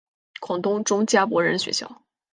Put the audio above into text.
广东中加柏仁学校。